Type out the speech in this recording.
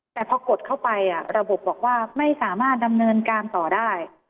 แต่พอกดเข้าไประบบบอกว่าไม่สามารถดำเนินการต่อได้